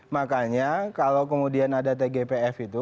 makanya kalau kemudian ada tgpf itu